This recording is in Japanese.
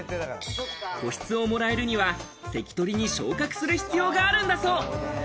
個室をもらえるには関取に昇格する必要があるんだそう。